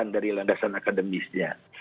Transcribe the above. dari landasan akademisnya